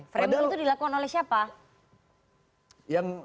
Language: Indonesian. framing itu dilakukan oleh siapa